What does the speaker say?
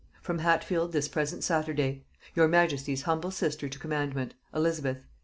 (From Hatfield this present Saturday.) "Your majesty's humble sister to commandment, "ELIZABETH."